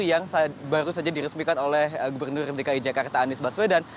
yang baru saja diresmikan oleh gubernur dki jakarta anies baswedan